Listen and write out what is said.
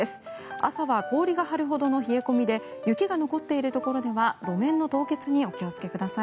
朝は氷が張るほどの冷え込みで雪が残っているところでは路面の凍結にお気をつけください。